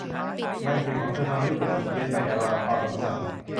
งานเขียนของเธอทำให้เธอรู้สึกผิดเพี้ยนไปจากลำดับความสำคัญ